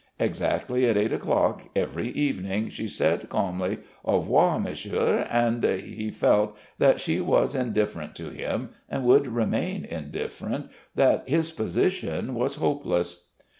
Exactly at eight o'clock every evening she said calmly, "Au revoir, Monsieur," and he felt that she was indifferent to him and would remain indifferent, that his position was hopeless.